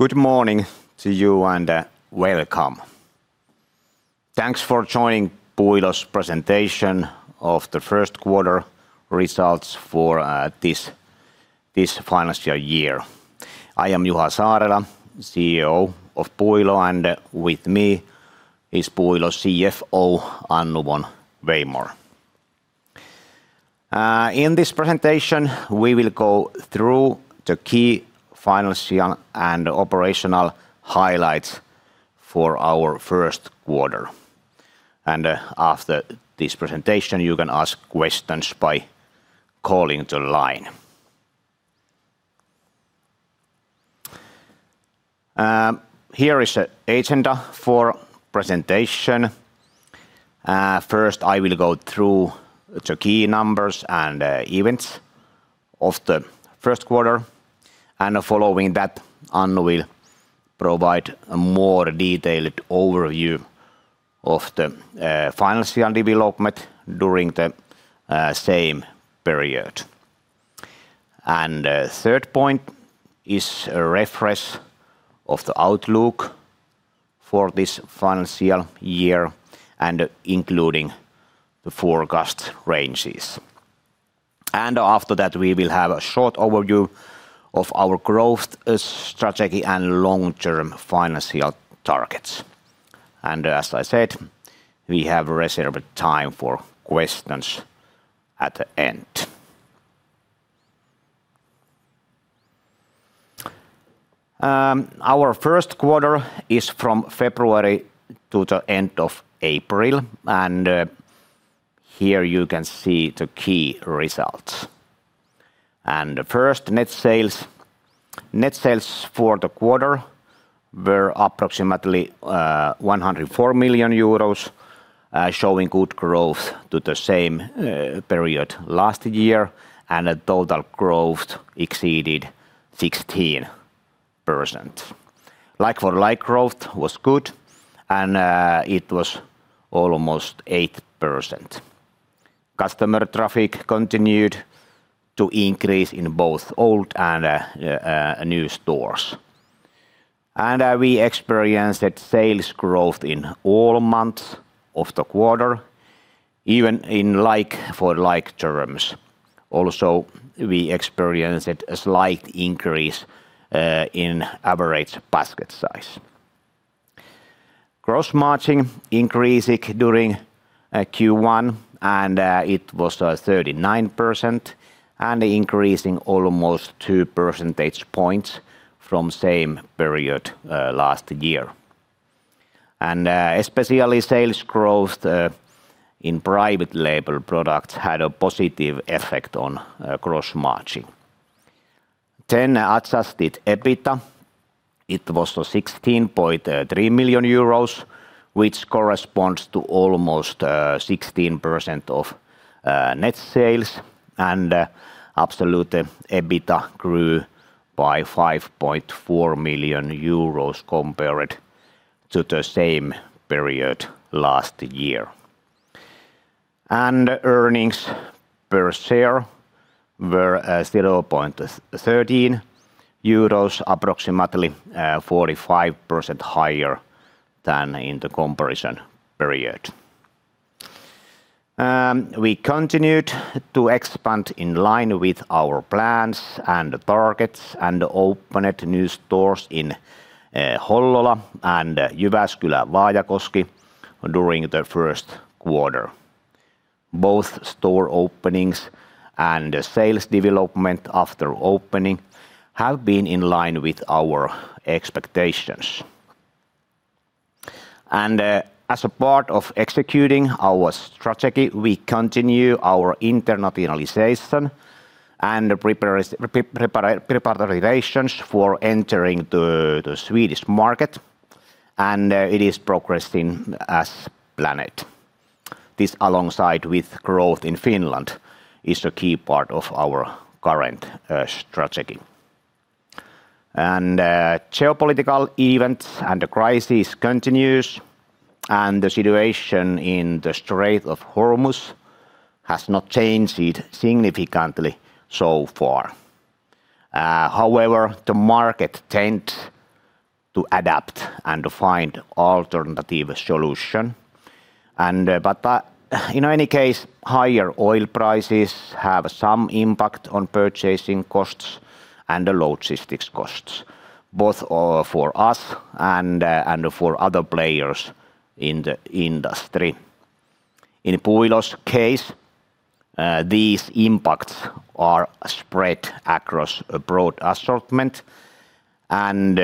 Good morning to you and welcome. Thanks for joining Puuilo's Presentation of the First Quarter Results for this Financial Year. I am Juha Saarela, CEO of Puuilo, and with me is Puuilo CFO, Annu von Weymarn. In this presentation, we will go through the key financial and operational highlights for our first quarter. After this presentation, you can ask questions by calling the line. Here is the agenda for presentation. First, I will go through the key numbers and events of the first quarter, following that, Annu will provide a more detailed overview of the financial development during the same period. Third point is a refresh of the outlook for this financial year including the forecast ranges. After that, we will have a short overview of our growth strategy and long-term financial targets. As I said, we have reserved time for questions at the end. Our first quarter is from February to the end of April, here you can see the key results. First, net sales. Net sales for the quarter were approximately 104 million euros, showing good growth to the same period last year, the total growth exceeded 16%. Like-for-like growth was good, it was almost 8%. Customer traffic continued to increase in both old and new stores. We experienced sales growth in all months of the quarter, even in like-for-like terms. Also, we experienced a slight increase in average basket size. Gross margin increased during Q1, it was 39% increasing almost 2 percentage points from same period last year. Especially sales growth in private label products had a positive effect on gross margin. Adjusted EBITA. It was 16.3 million euros, which corresponds to almost 16% of net sales, absolute EBITA grew by 5.4 million euros compared to the same period last year. Earnings per share were 0.13 euros, approximately 45% higher than in the comparison period. We continued to expand in line with our plans and targets and opened new stores in Hollola and Jyväskylä, Vaajakoski during the first quarter. Both store openings and sales development after opening have been in line with our expectations. As a part of executing our strategy, we continue our internationalization and preparations for entering the Swedish market, it is progressing as planned. This, alongside with growth in Finland, is a key part of our current strategy. Geopolitical events and the crisis continues, the situation in the Strait of Hormuz has not changed significantly so far. However, the market tends to adapt and to find alternative solutions. In any case, higher oil prices have some impact on purchasing costs and the logistics costs, both for us and for other players in the industry. In Puuilo's case, these impacts are spread across a broad assortment and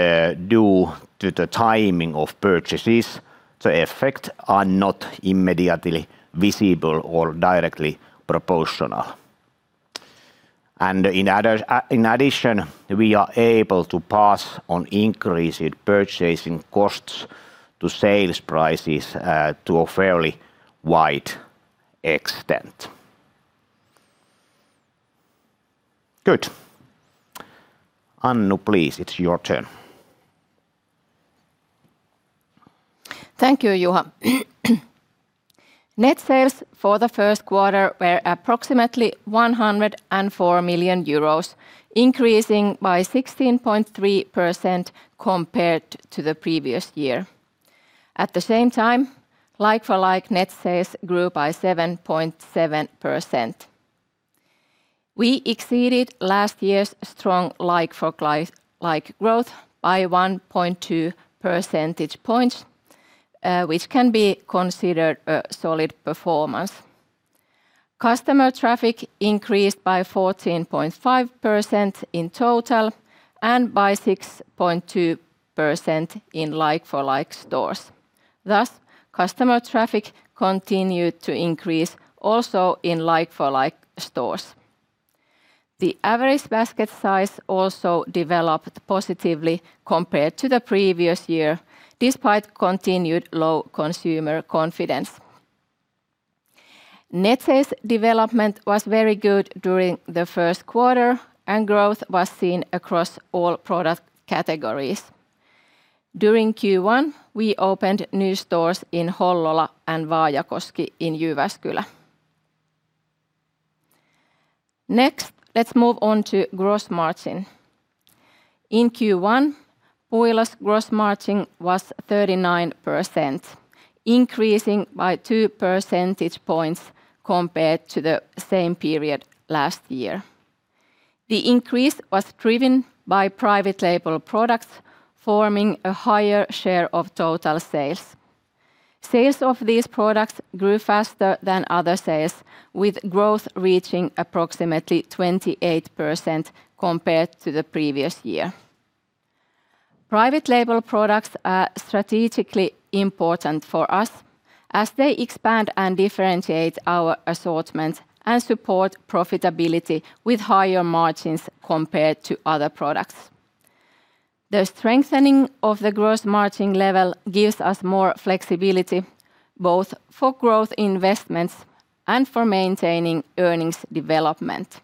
due to the timing of purchases, the effects are not immediately visible or directly proportional. In addition, we are able to pass on increased purchasing costs to sales prices to a fairly wide extent. Good. Annu, please, it's your turn. Thank you, Juha. Net sales for the first quarter were approximately 104 million euros, increasing by 16.3% compared to the previous year. At the same time, like-for-like net sales grew by 7.7%. We exceeded last year's strong like-for-like growth by 1.2 percentage points, which can be considered a solid performance. Customer traffic increased by 14.5% in total and by 6.2% in like-for-like stores. Thus, customer traffic continued to increase also in like-for-like stores. The average basket size also developed positively compared to the previous year, despite continued low consumer confidence. Net sales development was very good during the first quarter, and growth was seen across all product categories. During Q1, we opened new stores in Hollola and Vaajakoski in Jyväskylä. Let's move on to gross margin. In Q1, Puuilo's gross margin was 39%, increasing by 2 percentage points compared to the same period last year. The increase was driven by private label products forming a higher share of total sales. Sales of these products grew faster than other sales, with growth reaching approximately 28% compared to the previous year. Private label products are strategically important for us as they expand and differentiate our assortment and support profitability with higher margins compared to other products. The strengthening of the gross margin level gives us more flexibility both for growth investments and for maintaining earnings development.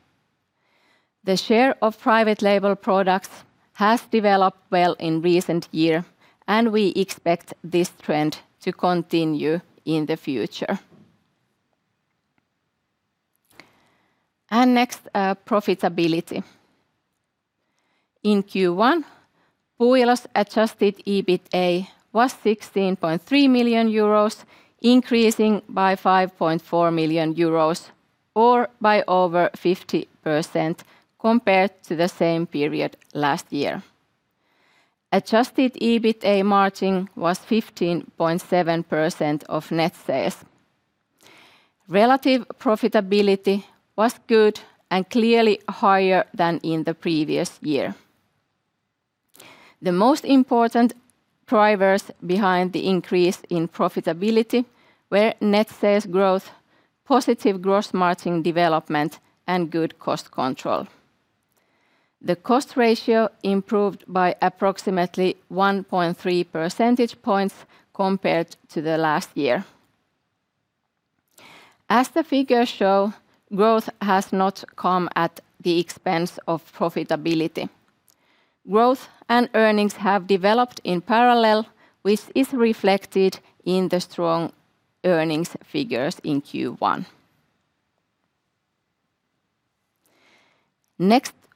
The share of private label products has developed well in recent year, and we expect this trend to continue in the future. Next, profitability. In Q1, Puuilo's adjusted EBITA was 16.3 million euros, increasing by 5.4 million euros or by over 50% compared to the same period last year. Adjusted EBITA margin was 15.7% of net sales. Relative profitability was good and clearly higher than in the previous year. The most important drivers behind the increase in profitability were net sales growth, positive gross margin development, and good cost control. The cost ratio improved by approximately 1.3 percentage points compared to the last year. As the figures show, growth has not come at the expense of profitability. Growth and earnings have developed in parallel, which is reflected in the strong earnings figures in Q1.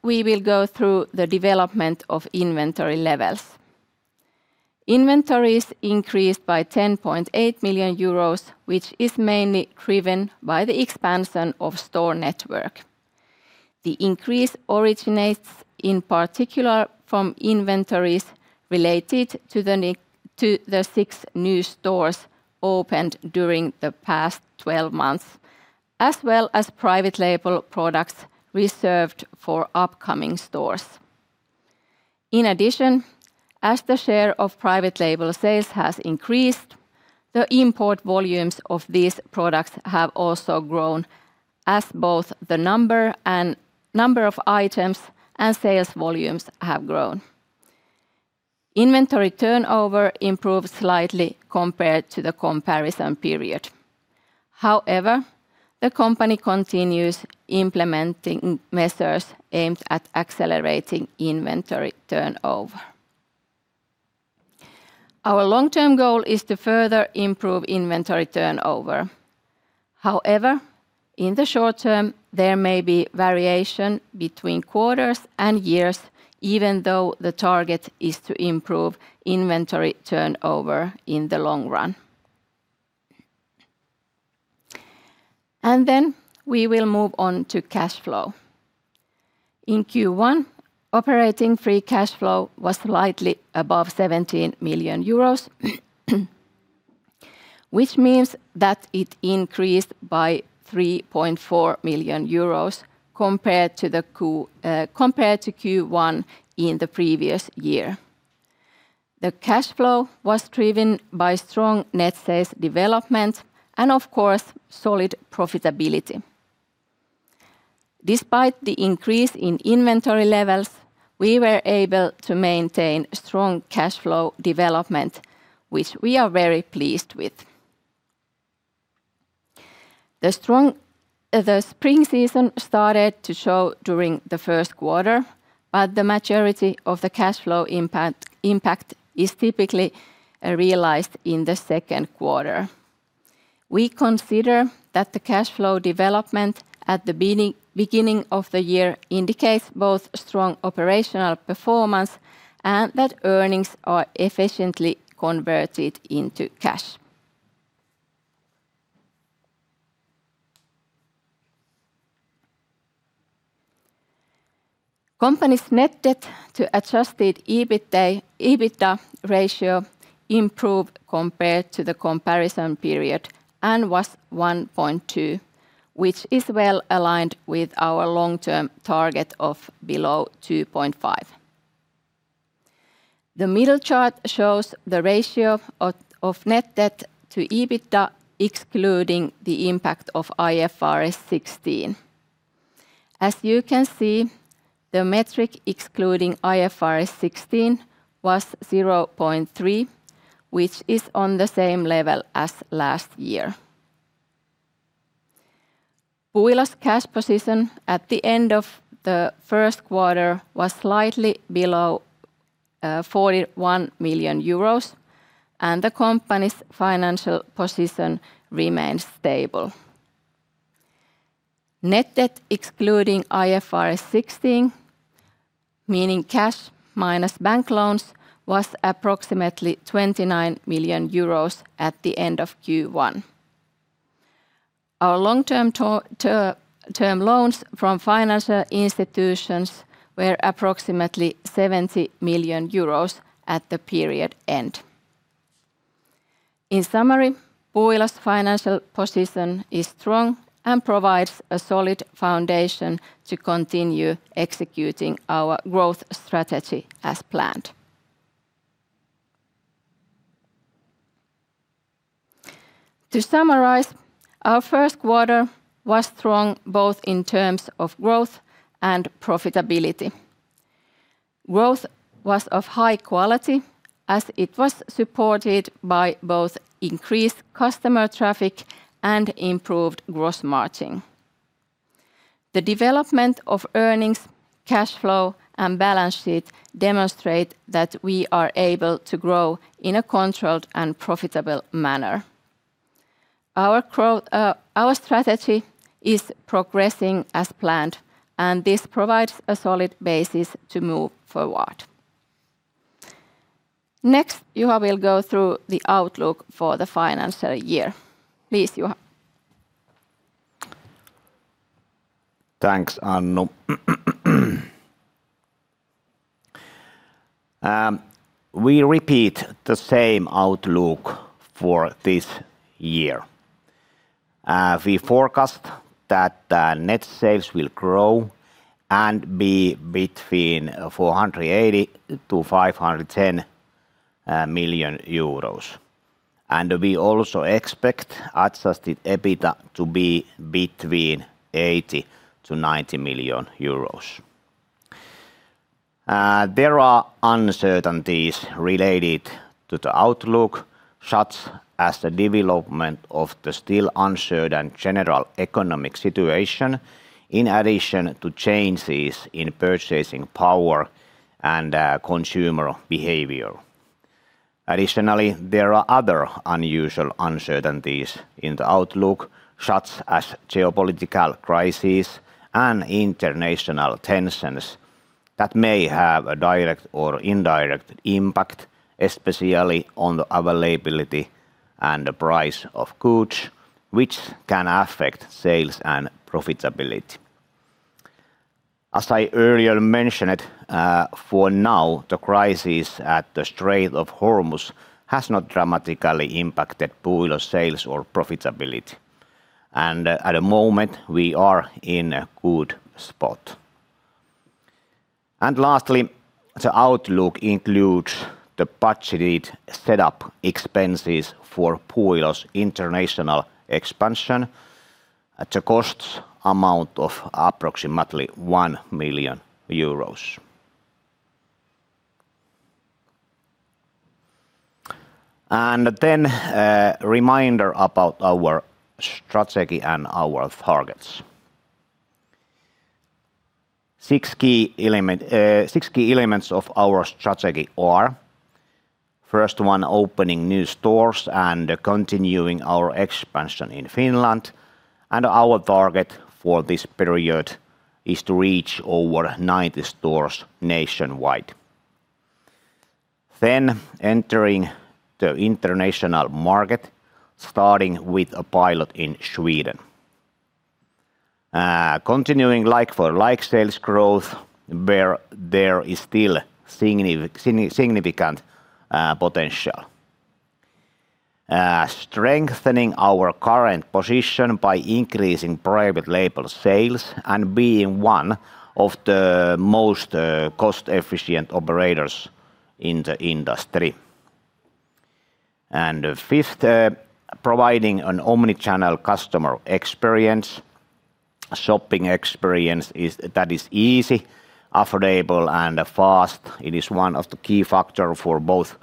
We will go through the development of inventory levels. Inventories increased by 10.8 million euros, which is mainly driven by the expansion of store network. The increase originates in particular from inventories related to the six new stores opened during the past 12 months, as well as private label products reserved for upcoming stores. In addition, as the share of private label sales has increased, the import volumes of these products have also grown as both the number of items and sales volumes have grown. Inventory turnover improved slightly compared to the comparison period. However, the company continues implementing measures aimed at accelerating inventory turnover. Our long-term goal is to further improve inventory turnover. However, in the short-term, there may be variation between quarters and years, even though the target is to improve inventory turnover in the long run. We will move on to cash flow. In Q1, operating free cash flow was slightly above 17 million euros, which means that it increased by 3.4 million euros compared to Q1 in the previous year. The cash flow was driven by strong net sales development and of course, solid profitability. Despite the increase in inventory levels, we were able to maintain strong cash flow development, which we are very pleased with. The spring season started to show during the first quarter, but the majority of the cash flow impact is typically realized in the second quarter. We consider that the cash flow development at the beginning of the year indicates both strong operational performance and that earnings are efficiently converted into cash. Company's net debt to adjusted EBITA ratio improved compared to the comparison period and was 1.2, which is well-aligned with our long-term target of below 2.5. The middle chart shows the ratio of net debt to EBITA, excluding the impact of IFRS 16. As you can see, the metric excluding IFRS 16 was 0.3, which is on the same level as last year. Puuilo's cash position at the end of the first quarter was slightly below 41 million euros, and the company's financial position remains stable. Net debt excluding IFRS 16, meaning cash minus bank loans, was approximately 29 million euros at the end of Q1. Our long-term loans from financial institutions were approximately 70 million euros at the period end. In summary, Puuilo's financial position is strong and provides a solid foundation to continue executing our growth strategy as planned. To summarize, our first quarter was strong both in terms of growth and profitability. Growth was of high quality as it was supported by both increased customer traffic and improved gross margin. The development of earnings, cash flow, and balance sheet demonstrate that we are able to grow in a controlled and profitable manner. Our strategy is progressing as planned, and this provides a solid basis to move forward. Next, Juha will go through the outlook for the financial year. Please, Juha. Thanks, Annu. We repeat the same outlook for this year. We forecast that the net sales will grow and be between 480 million-510 million euros. We also expect adjusted EBITA to be between 80 million-90 million euros. There are uncertainties related to the outlook, such as the development of the still uncertain general economic situation, in addition to changes in purchasing power and consumer behavior. Additionally, there are other unusual uncertainties in the outlook, such as geopolitical crises and international tensions that may have a direct or indirect impact, especially on the availability and the price of goods, which can affect sales and profitability. As I earlier mentioned, for now, the crisis at the Strait of Hormuz has not dramatically impacted Puuilo's sales or profitability. At the moment, we are in a good spot. Lastly, the outlook includes the budgeted set-up expenses for Puuilo's international expansion at a cost amount of approximately EUR 1 million. Then a reminder about our strategy and our targets. Six key elements of our strategy are: first, opening new stores and continuing our expansion in Finland, Our target for this period is to reach over 90 stores nationwide. Entering the international market, starting with a pilot in Sweden. Continuing like-for-like sales growth where there is still significant potential. Strengthening our current position by increasing private label sales and being one of the most cost-efficient operators in the industry. Fifth, providing an omnichannel customer experience. A shopping experience that is easy, affordable, and fast. It is one of the key factors for both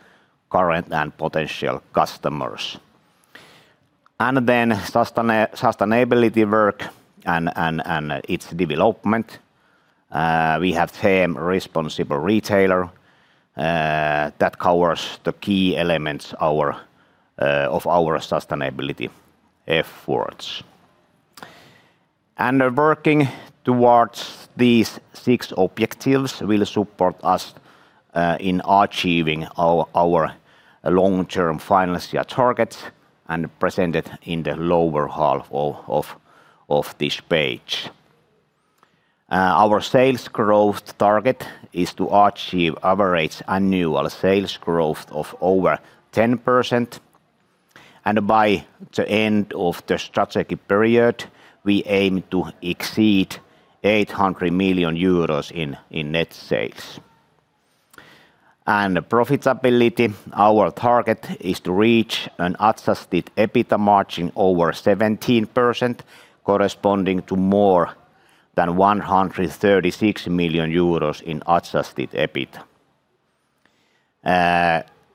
current and potential customers. Then sustainability work and its development. We have the theme Responsible Retailer that covers the key elements of our sustainability efforts. Working towards these six objectives will support us in achieving our long-term financial targets and presented in the lower half of this page. Our sales growth target is to achieve average annual sales growth of over 10%. By the end of the strategic period, we aim to exceed 800 million euros in net sales. Profitability, our target is to reach an adjusted EBITA margin over 17%, corresponding to more than 136 million euros in adjusted EBITA.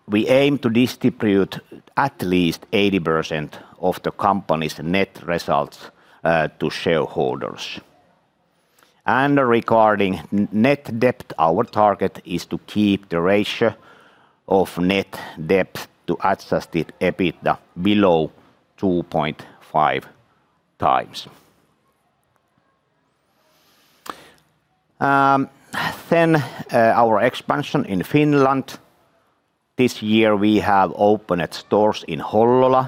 We aim to distribute at least 80% of the company's net results to shareholders. Regarding net debt, our target is to keep the ratio of net debt to adjusted EBITA below 2.5 times. Our expansion in Finland. This year we have opened stores in Hollola,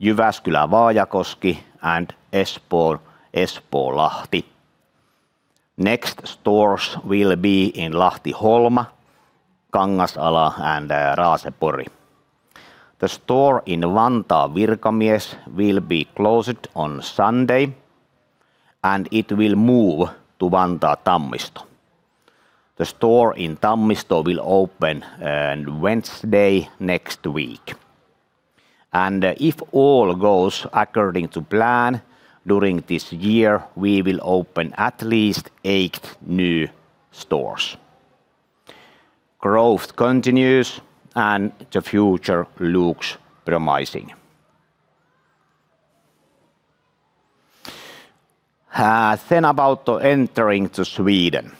Jyväskylä, Vaajakoski and Espoo Espoonlahti. Next stores will be in Lahti Holma, Kangasala and Raasepori. The store in Vantaa Virkamies will be closed on Sunday, and it will move to Vantaa Tammisto. The store in Tammisto will open on Wednesday next week. If all goes according to plan, during this year, we will open at least eight new stores. Growth continues, and the future looks promising. About entering Sweden.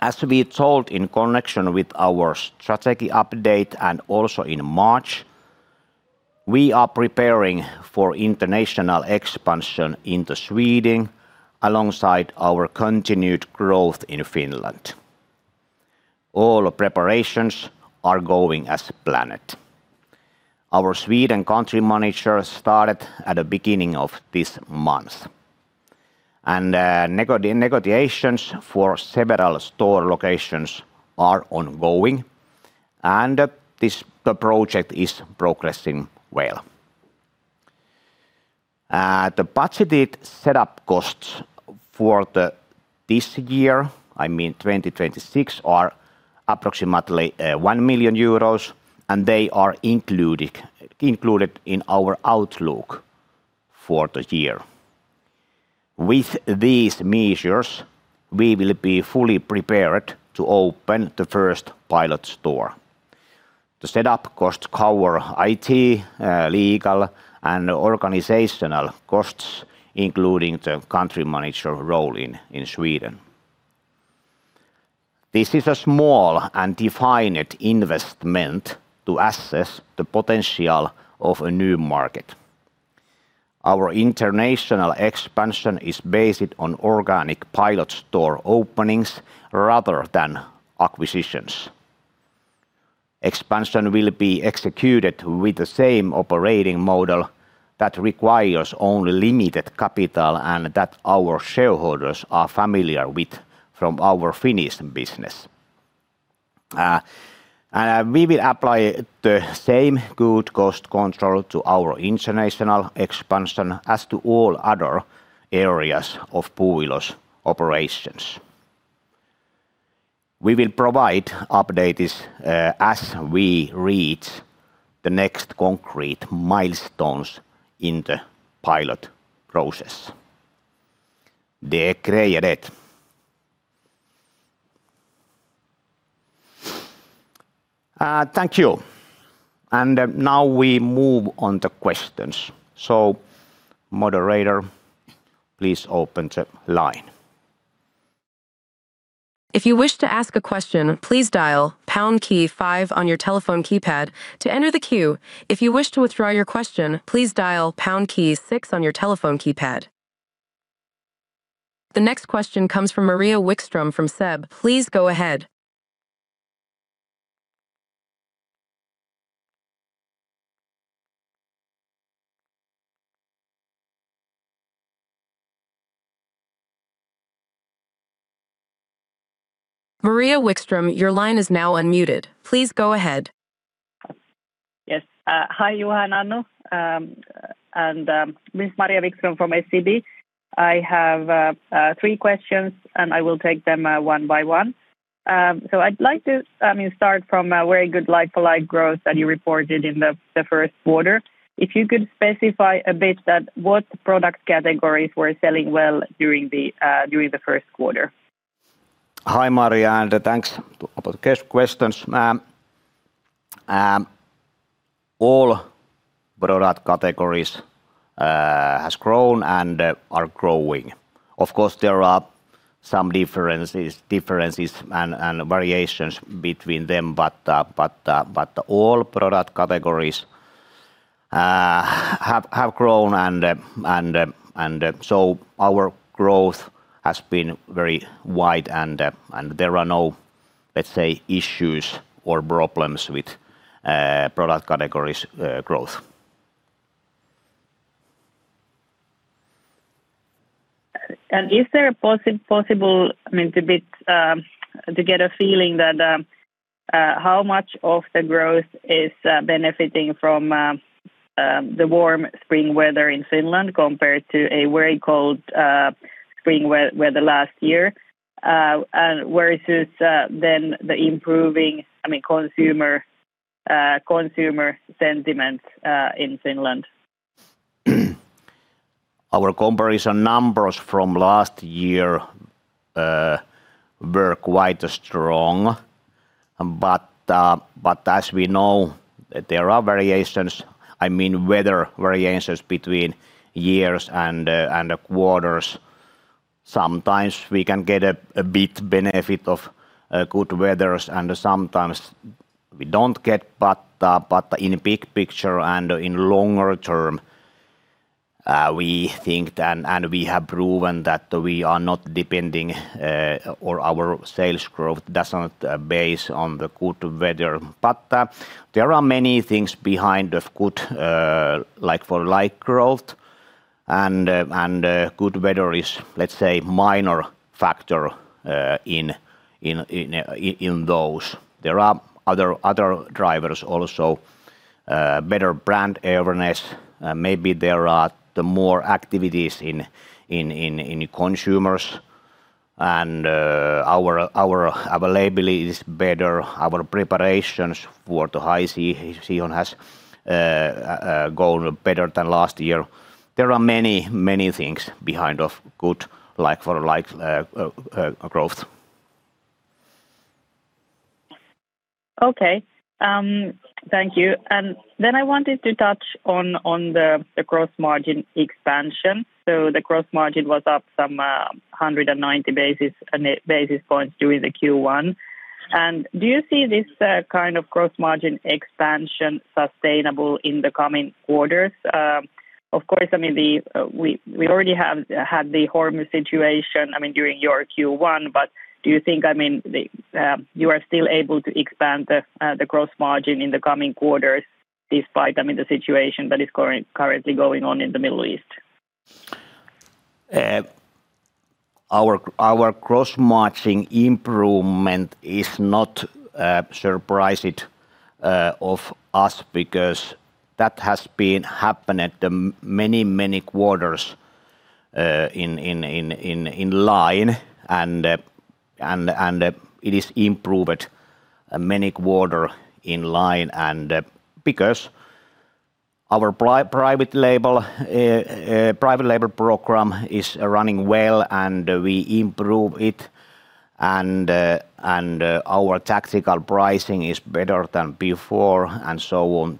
As we told in connection with our strategy update and also in March, we are preparing for international expansion into Sweden alongside our continued growth in Finland. All preparations are going as planned. Our Sweden country manager started at the beginning of this month. Negotiations for several store locations are ongoing, and this project is progressing well. The budgeted set-up costs for this year, I mean 2026, are approximately 1 million euros, and they are included in our outlook for the year. With these measures, we will be fully prepared to open the first pilot store. The set-up costs cover IT, legal, and organizational costs, including the country manager role in Sweden. This is a small and defined investment to assess the potential of a new market. Our international expansion is based on organic pilot store openings rather than acquisitions. Expansion will be executed with the same operating model that requires only limited capital and that our shareholders are familiar with from our Finnish business. We will apply the same good cost control to our international expansion as to all other areas of Puuilo's operations. We will provide updates as we reach the next concrete milestones in the pilot process. Thank you. Now we move on to questions. Moderator, please open the line. If you wish to ask a question, please dial pound key five on your telephone keypad to enter the queue. If you wish to withdraw your question, please dial pound key six on your telephone keypad. The next question comes from Maria Wikström from SEB. Please go ahead. Maria Wikström, your line is now unmuted. Please go ahead. Yes. Hi, Juha and Annu. Ms. Maria Wikström from SEB. I have three questions, and I will take them one by one. I'd like to start from very good like-for-like growth that you reported in the first quarter. If you could specify a bit that what product categories were selling well during the first quarter. Hi, Maria, thanks for the questions. All product categories have grown and are growing. Of course, there are some differences and variations between them. All product categories have grown. Our growth has been very wide. There are no, let's say, issues or problems with product categories growth. Is there a possible to get a feeling that how much of the growth is benefiting from the warm spring weather in Finland compared to a very cold spring weather last year? Whereas it's then the improving consumer sentiment in Finland. Our comparison numbers from last year were quite strong. As we know, there are variations. Weather variations between years and quarters. Sometimes we can get a bit benefit of good weathers, and sometimes we don't get, but in big picture and in longer-term, we think that, and we have proven that we are not depending, or our sales growth does not base on the good weather. There are many things behind of good like-for-like growth and good weather is, let's say, minor factor in those. There are other drivers also, better brand awareness. Maybe there are the more activities in consumers and our availability is better. Our preparations for the high season has gone better than last year. There are many things behind of good like-for-like growth. Okay. Thank you. I wanted to touch on the gross margin expansion. The gross margin was up some 190 basis points during the Q1. Do you see this kind of gross margin expansion sustainable in the coming quarters? Of course, we already have had the Hormuz situation during your Q1, but do you think you are still able to expand the gross margin in the coming quarters despite the situation that is currently going on in the Middle East? Our gross margin improvement is not surprising of us because that has been happening many quarters in line, and it is improved many quarter in line. Because our private label program is running well, and we improve it, and our tactical pricing is better than before, and so on.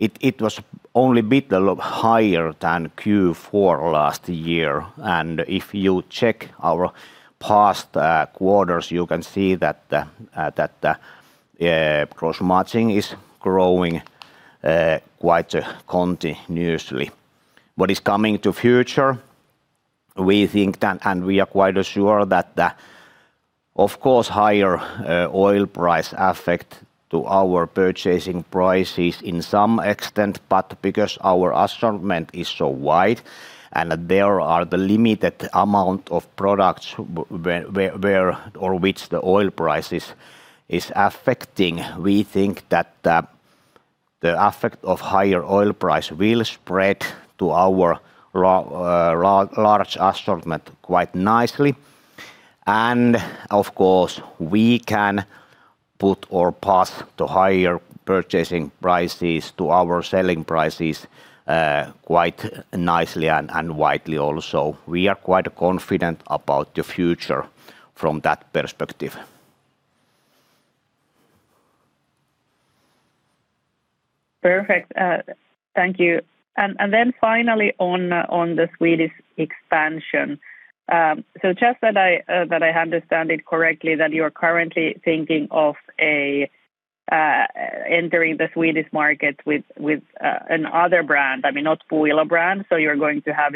It was only bit higher than Q4 last year. If you check our past quarters, you can see that the gross margin is growing quite continuously. What is coming to future, we think that, and we are quite sure that, of course, higher oil price affect to our purchasing prices in some extent, but because our assortment is so wide and there are the limited amount of products where or which the oil price is affecting. We think that the effect of higher oil price will spread to our large assortment quite nicely. Of course, we can put or pass the higher purchasing prices to our selling prices quite nicely and widely also. We are quite confident about the future from that perspective. Perfect. Thank you. Finally on the Swedish expansion. Just that I understand it correctly, that you are currently thinking of entering the Swedish market with another brand, I mean, not Puuilo brand. You are going to have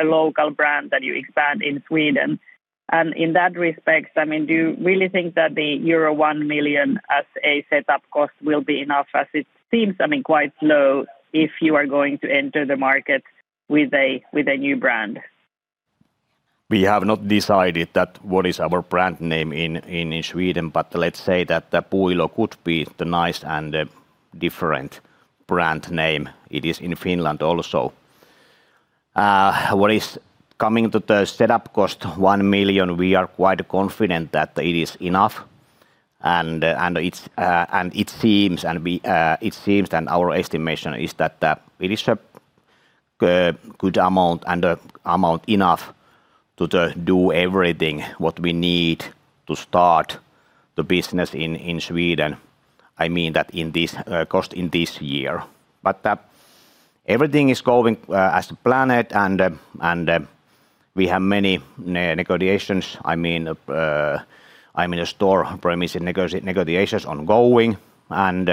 a local brand that you expand in Sweden. In that respect, do you really think that the euro 1 million as a setup cost will be enough as it seems quite low if you are going to enter the market with a new brand? We have not decided that what is our brand name in Sweden, let's say that Puuilo could be the nice and different brand name it is in Finland also. What is coming to the setup cost, 1 million, we are quite confident that it is enough and it seems that our estimation is that it is a good amount, and amount enough to do everything what we need to start the business in Sweden. I mean that cost in this year. Everything is going as planned and we have many negotiations. I mean, store premise negotiations ongoing, and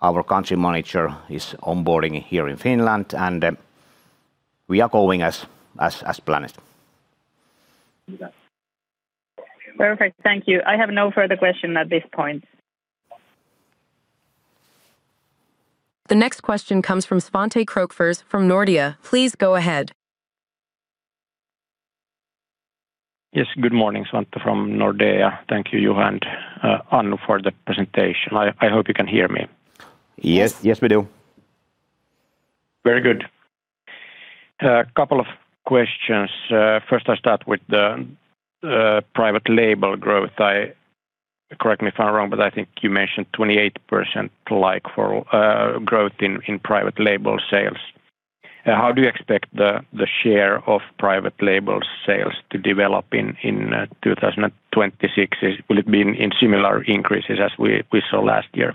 our country manager is onboarding here in Finland, and we are going as planned. Perfect. Thank you. I have no further question at this point. The next question comes from Svante Krokfors from Nordea. Please go ahead. Yes. Good morning, Svante from Nordea. Thank you, Juha and Annu, for the presentation. I hope you can hear me. Yes, we do. Very good. A couple of questions. First, I'll start with the private label growth. Correct me if I'm wrong, but I think you mentioned 28% like-for-like growth in private label sales. How do you expect the share of private label sales to develop in 2026? Will it be in similar increases as we saw last year?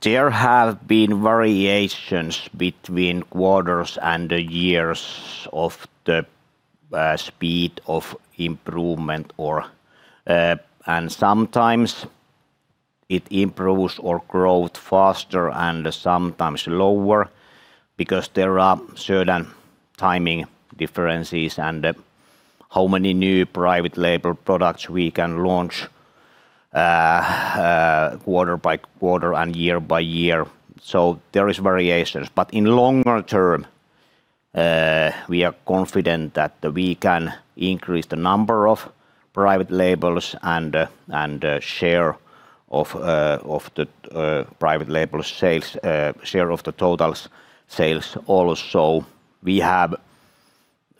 There have been variations between quarters and years of the speed of improvement. Sometimes it improves or grows faster and sometimes slower because there are certain timing differences and how many new private label products we can launch quarter-by-quarter and year-by-year. There is variations. In longer-term, we are confident that we can increase the number of private labels and share of the private label sales, share of the total sales also. We have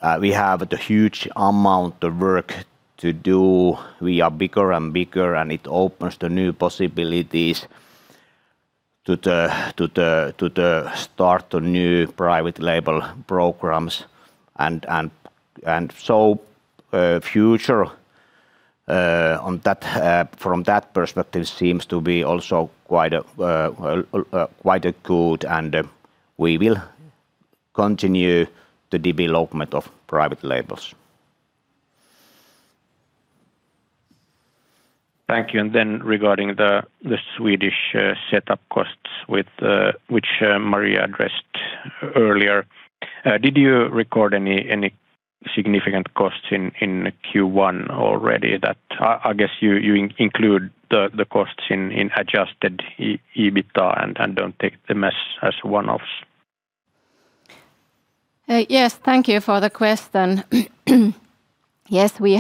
the huge amount of work to do. We are bigger-and-bigger, and it opens the new possibilities to the start of new private label programs. Future from that perspective seems to be also quite good, and we will continue the development of private labels. Thank you. Regarding the Swedish setup costs which Maria addressed earlier, did you record any significant costs in Q1 already that I guess you include the costs in adjusted EBITA and don't take them as one-offs? Yes. Thank you for the question. Yes, we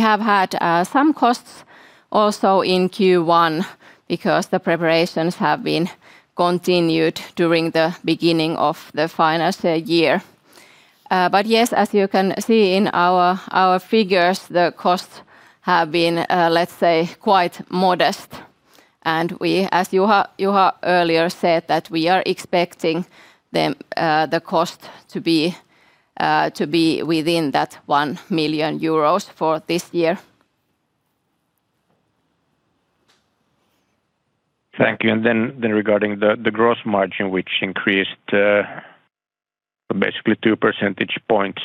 have had some costs also in Q1 because the preparations have been continued during the beginning of the final year. Yes, as you can see in our figures, the costs have been, let's say, quite modest. As Juha earlier said, that we are expecting the cost to be within that 1 million euros for this year. Thank you. Regarding the gross margin, which increased basically 2 percentage points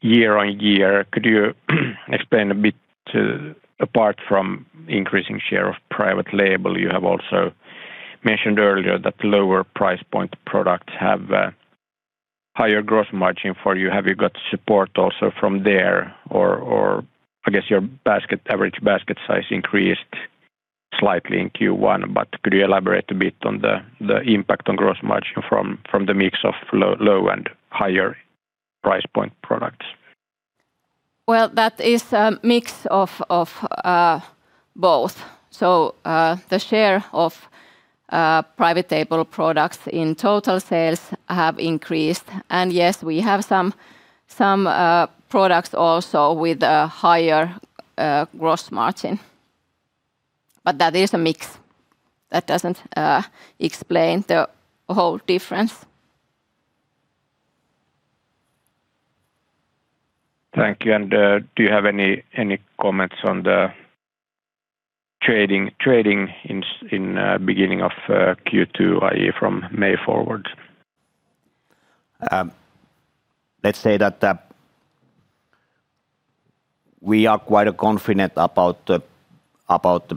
year-on-year, could you explain a bit apart from increasing share of private label, you have also mentioned earlier that lower price point products have higher gross margin for you. Have you got support also from there? Or I guess your average basket size increased slightly in Q1, but could you elaborate a bit on the impact on gross margin from the mix of low and higher price point products? Well, that is a mix of both. The share of private label products in total sales have increased. Yes, we have some products also with a higher gross margin. That is a mix. That doesn't explain the whole difference. Thank you. Do you have any comments on the trading in beginning of Q2, i.e., from May forward? Let's say that we are quite confident about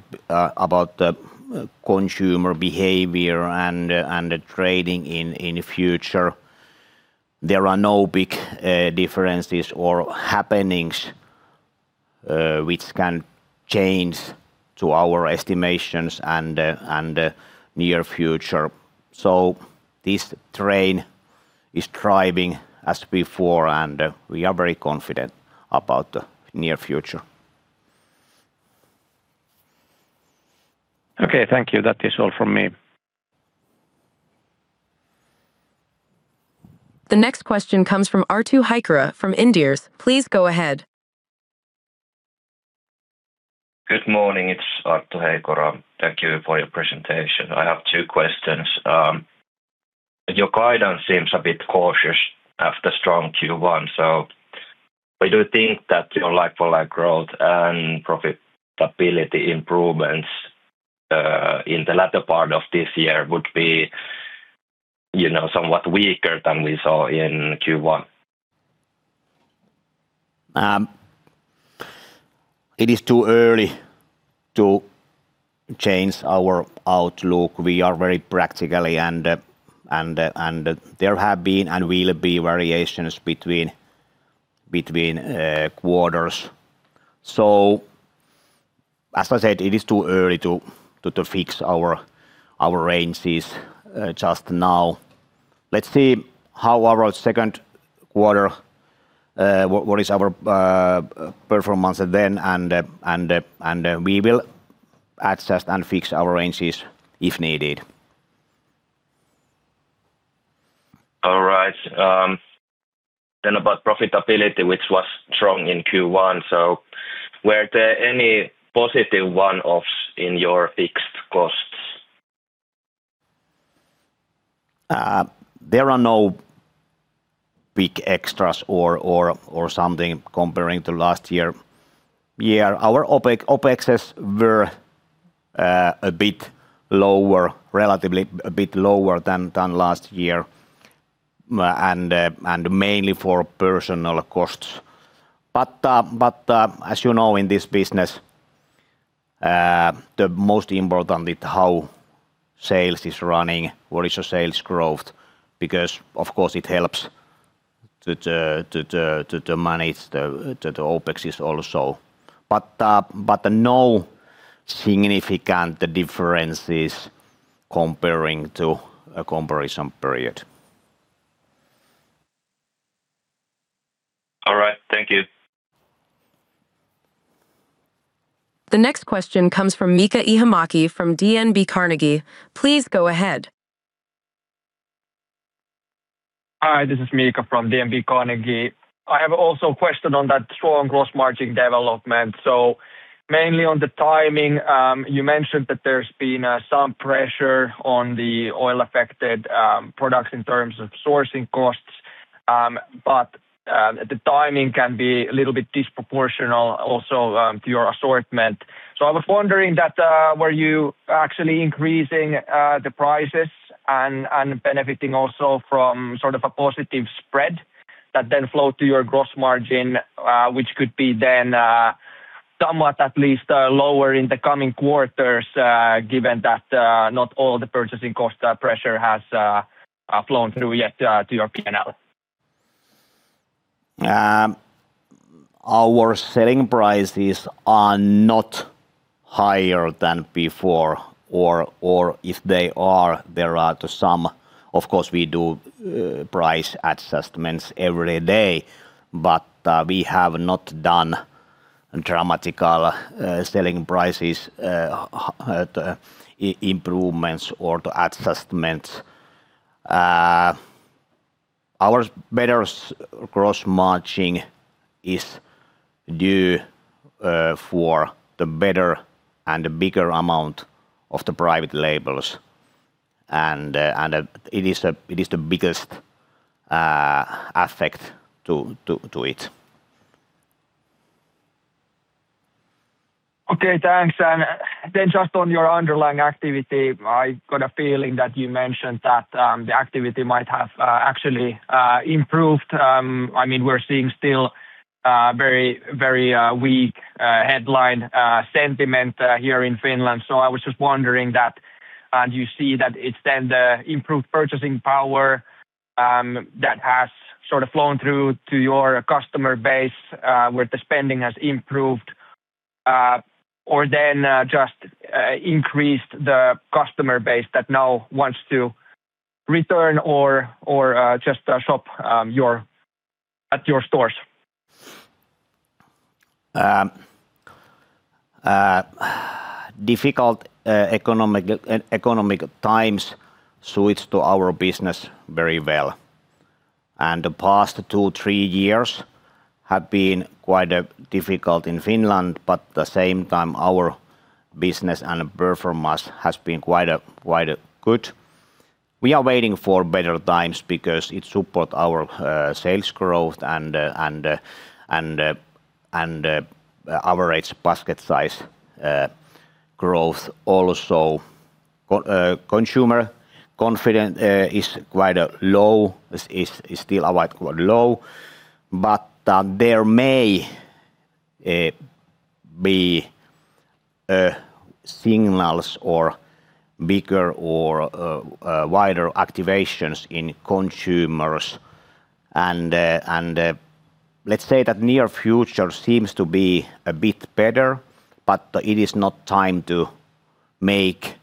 the consumer behavior and the trading in the future. There are no big differences or happenings which can change to our estimations and near future. This train is thriving as before, and we are very confident about the near future. Okay, thank you. That is all from me. The next question comes from Arttu Heikura from Inderes. Please go ahead. Good morning. It's Arttu Heikura. Thank you for your presentation. I have two questions. Your guidance seems a bit cautious after strong Q1. We do think that your like-for-like growth and profitability improvements, in the latter part of this year would be somewhat weaker than we saw in Q1. It is too early to change our outlook. We are very practical and there have been and will be variations between quarters. As I said, it is too early to fix our ranges just now. Let's see how our second quarter, what is our performance then and we will adjust and fix our ranges if needed. All right. About profitability, which was strong in Q1, so were there any positive one-offs in your fixed costs? There are no big extras or something comparing to last year. Our OpEx were a bit lower, relatively a bit lower than last year, and mainly for personal costs. As you know, in this business, the most important is how sales is running, what is your sales growth? Of course it helps to manage the OpEx also. No significant differences comparing to a comparison period. All right. Thank you. The next question comes from Miika Ihamäki from DNB Carnegie. Please go ahead. Hi, this is Miika from DNB Carnegie. I have also a question on that strong gross margin development. Mainly on the timing, you mentioned that there has been some pressure on the oil-affected products in terms of sourcing costs. The timing can be a little bit disproportional also to your assortment. I was wondering that were you actually increasing the prices and benefiting also from sort of a positive spread that then flow to your gross margin, which could be then somewhat at least lower in the coming quarters, given that not all the purchasing cost pressure has flown through yet to your P&L. Our selling prices are not higher than before or if they are, there are to some. Of course we do price adjustments every day, but we have not done dramatic selling prices improvements or adjustments. Our better gross margin is due for the better and the bigger amount of the private labels, and it is the biggest effect to it. Okay, thanks. Just on your underlying activity, I got a feeling that you mentioned that the activity might have actually improved. We are seeing still very weak headline sentiment here in Finland. I was just wondering that do you see that it is then the improved purchasing power that has sort of flown through to your customer base, where the spending has improved or then just increased the customer base that now wants to return or just shop at your stores? Difficult economic times suits to our business very well. The past two, three years have been quite difficult in Finland. The same time our business and performance has been quite good. We are waiting for better times because it support our sales growth and our average basket size growth also. Consumer confidence is quite low, is still quite low. There may be signals or bigger or wider activations in consumers and let's say that near future seems to be a bit better, but it is not time to make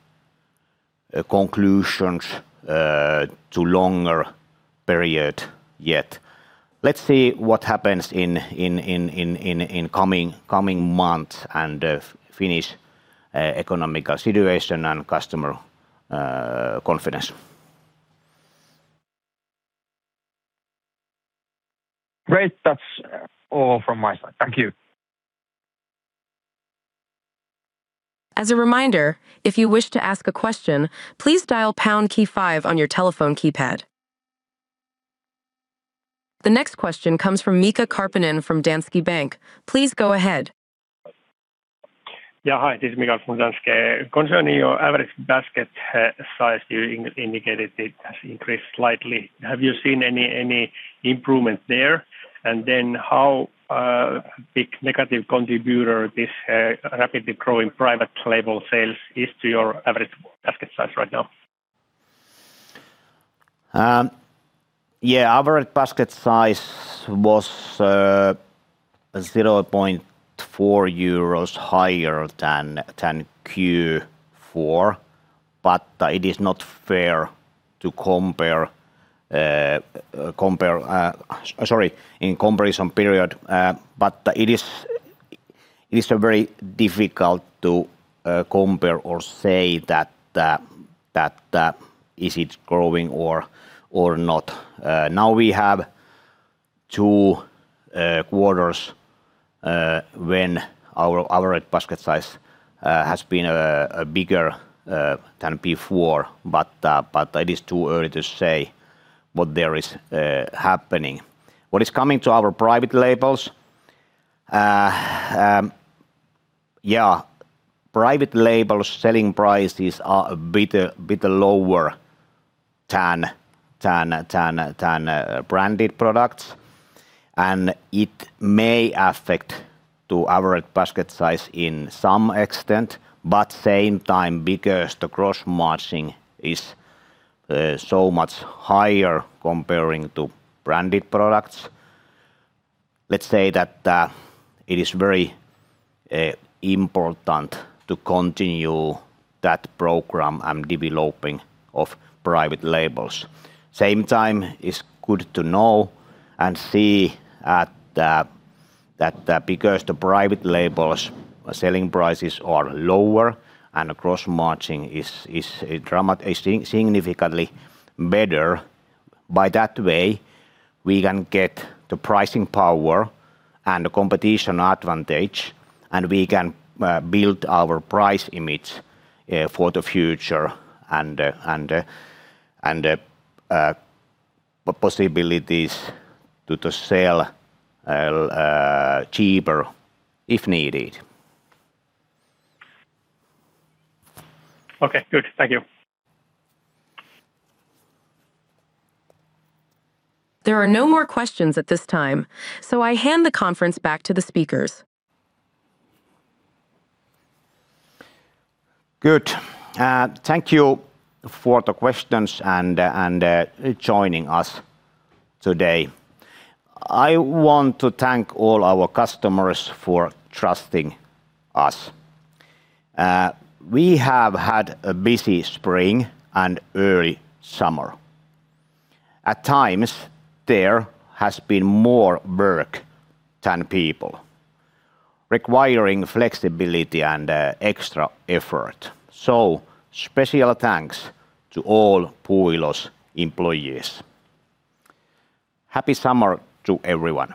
conclusions to longer period yet. Let's see what happens in coming months and the Finnish economic situation and consumer confidence. Great. That's all from my side. Thank you. As a reminder, if you wish to ask a question, please dial pound, key five on your telephone keypad. The next question comes from Mika Karppinen from Danske Bank. Please go ahead. Hi, this is Mika from Danske. Concerning your average basket size, you indicated it has increased slightly. Have you seen any improvement there? Then how big negative contributor this rapidly growing private label sales is to your average basket size right now? Average basket size was 0.4 euros higher than Q4, it is not fair to compare Sorry, in comparison period, it is very difficult to compare or say that is it growing or not. Now we have two quarters when our average basket size has been bigger than before, but it is too early to say what there is happening. What is coming to our private labels. Private label selling prices are a bit lower than branded products, it may affect to average basket size in some extent, the same time because the gross margin is so much higher comparing to branded products, let's say that it is very important to continue that program and developing of private labels. Same time, it's good to know and see at that because the private labels selling prices are lower and gross margin is significantly better, by that way, we can get the pricing power and competition advantage, and we can build our price image for the future and possibilities to sell cheaper if needed. Okay, good. Thank you. There are no more questions at this time. I hand the conference back to the speakers. Good. Thank you for the questions and joining us today. I want to thank all our customers for trusting us. We have had a busy spring and early summer. At times, there has been more work than people, requiring flexibility and extra effort. Special thanks to all Puuilo's employees. Happy summer to everyone.